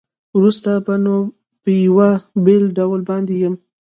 وروسته به نو په یوه بېل ډول باندې یم.